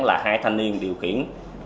là hai thanh niên điều khiển